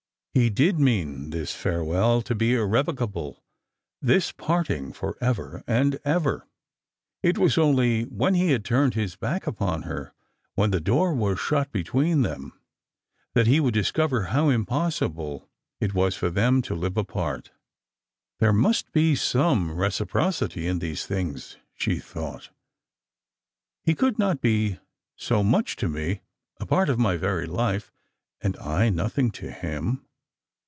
He did mean thin farewell to be irrevocable — this parting for ever and ever. It was only when he had turned his back upon her — when the door was shut between them — that he would discover how impossible it was for them to live apart. " There must be some reciprocity in these things," she thought; "he could not be so much to me— a part of my very life— and I nothing to him.